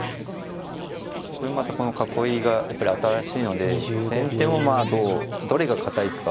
これまたこの囲いがやっぱり新しいので先手もまあどうどれが堅いか。